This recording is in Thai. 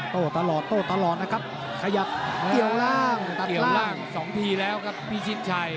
โต้ตลอดโต้ตลอดนะครับขยับเกี่ยวร่างเกี่ยวล่างสองทีแล้วครับพี่ชิดชัย